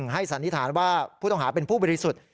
สันนิษฐานว่าผู้ต้องหาเป็นผู้บริสุทธิ์